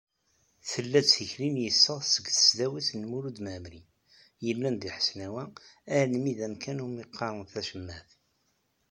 Tella-d tikli n yiseɣ seg tesdawit n Mulud Mɛemmeri, yellan deg Ḥesnawa almi d umkan iwumi qqaren Tacemmaɛt.